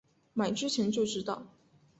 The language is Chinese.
买之前就知道